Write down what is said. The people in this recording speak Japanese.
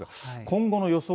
今後の予想